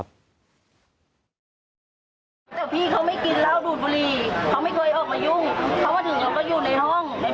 ประตูข้าวไปเนี่ยเราเปิดไปอย่างงี้แต่ประตูข้างในอ่ะ